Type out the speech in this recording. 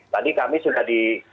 tadi kami sudah di